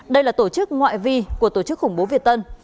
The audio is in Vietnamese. đây là tổ chức ngoại vi của tổ chức khủng bố việt tân